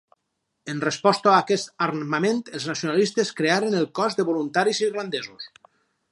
En resposta a aquest armament els nacionalistes crearen el cos de Voluntaris Irlandesos.